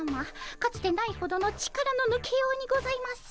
かつてないほどの力の抜けようにございます。